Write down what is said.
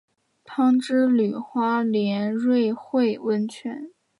汤之旅花莲瑞穗温泉